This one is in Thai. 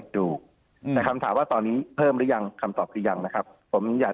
อยู่แต่คำถามว่าตอนนี้เพิ่มหรือยังคำตอบคือยังนะครับผมอยาก